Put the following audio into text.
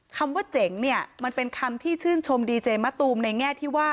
คำว่าเจ๋งเนี่ยมันเป็นคำที่ชื่นชมดีเจมะตูมในแง่ที่ว่า